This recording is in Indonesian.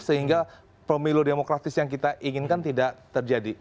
sehingga pemilu demokratis yang kita inginkan tidak terjadi